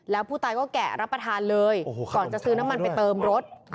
แล้วผู้ตายก็แกะรับประทานเลยก่อนจะซื้อน้ำมันไปเติมรถ